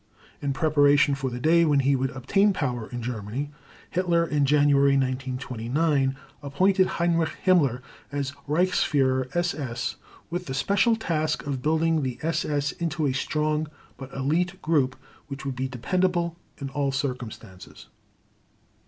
In preparation for the day when he would obtain power in Germany, Hitler in January 1929, appointed Heinrich Himmler as Reichsführer SS with the special task of building the SS into a strong but elite group which would be dependable in all circumstances.